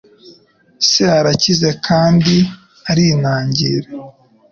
Se arakize cyane kandi arinangira.